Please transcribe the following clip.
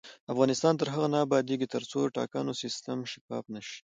افغانستان تر هغو نه ابادیږي، ترڅو د ټاکنو سیستم شفاف نشي.